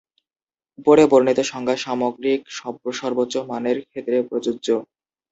উপরে বর্ণিত সংজ্ঞা সামগ্রিক সর্বোচ্চ মানের ক্ষেত্রে প্রযোজ্য।